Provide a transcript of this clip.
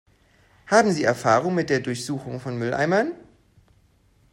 Haben Sie Erfahrung mit der Durchsuchung von Mülleimern?